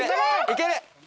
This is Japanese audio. いける！